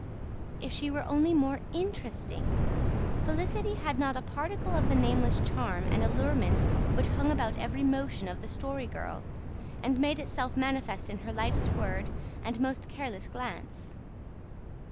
If she were only more interesting! Felicity had not a particle of the nameless charm and allurement which hung about every motion of the Story Girl, and made itself manifest in her lightest word and most careless glance.